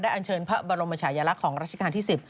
ได้อัญเชิญพระบรมศาอยรักษ์ของราชกาลที่๑๐